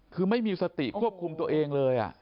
คือไม่มีสติควบคุมตัวเองเลย